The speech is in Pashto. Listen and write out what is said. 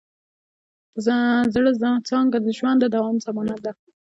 د زړۀ څانګه د ژوند د دوام ضمانت ده.